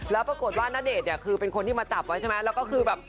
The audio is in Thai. และปรากฏว่านเดชน์เนี่ยเป็นคนที่มาจับไว้นะคะ